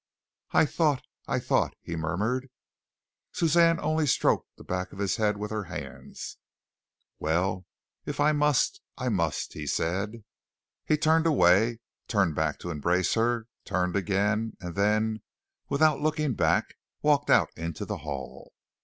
"I thought, I thought," he murmured. Suzanne only stroked the back of his head with her hands. "Well, if I must, I must," he said. He turned away, turned back to embrace her, turned again and then, without looking back, walked out into the hall.